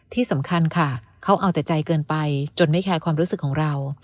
ที่สำคัญค่ะเขาเอาแต่ใจเกินไปจนไม่แคร์ความรู้สึกของเรา